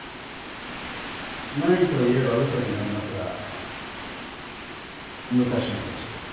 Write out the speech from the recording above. ないと言えば嘘になりますが昔の話です。